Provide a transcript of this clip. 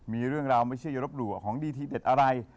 มีเรื่องราวไม่ใช่อย่ารบหลู่ของดีทีเด็ดอะไร